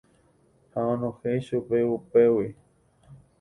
Ha onohẽ ichupe upégui.